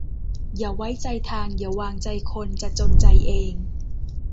อย่าไว้ใจทาง อย่าวางใจคน จะจนใจเอง